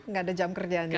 nggak ada jam kerjanya ya